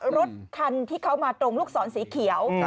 รถคันที่เขามาตรงลูกศรสีเขียว